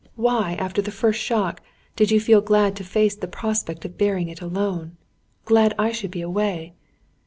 Why, after the first shock, did you feel glad to face the prospect of bearing it alone; glad I should be away?